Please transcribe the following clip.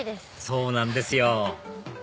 そうなんですよ